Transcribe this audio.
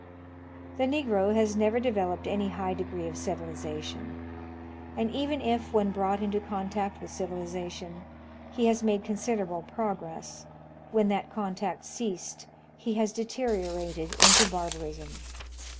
The Negro has never developed any high degree of civiliza tion ; and even if, when brought into contact with civilization, he has made considerable progress, when that contact ceased he has deteriorated into barbarism.